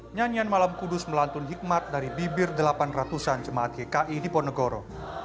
nyanyian malam kudus melantun hikmat dari bibir delapan ratus an jemaat gki di ponegoro